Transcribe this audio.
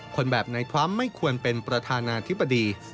คนแบบในทรัมป์ไม่ควรเป็นประธานาธิบดี